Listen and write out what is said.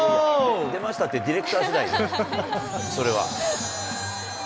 出ましたって、それはディレクターしだい、それは。